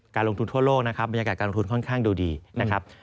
ลงทุนทั่วโลกนะครับบรรยากาศการลงทุนค่อนข้างดูดีนะครับ